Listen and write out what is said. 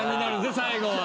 最後は。